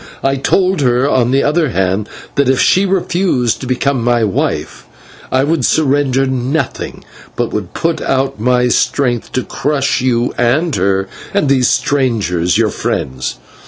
I told her, on the other hand, that if she refused to become my wife, I would surrender nothing, but would put out my strength to crush you and her and these strangers, your friends.